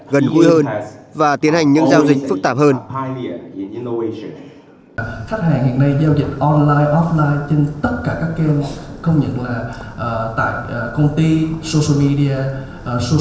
và cuối cùng chính là thu hồi nợ